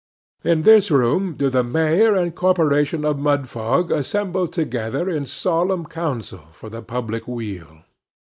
In this room do the mayor and corporation of Mudfog assemble together in solemn council for the public weal.